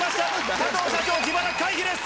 加藤社長、自腹回避です。